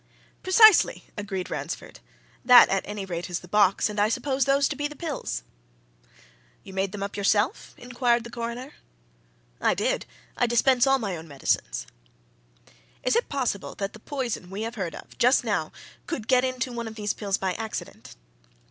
"Precisely!" agreed Ransford. "That, at any rate, is the box, and I suppose those to be the pills." "You made them up yourself?" inquired the Coroner. "I did I dispense all my own medicines." "Is it possible that the poison we have beard of, just now, could get into one of those pills by accident?"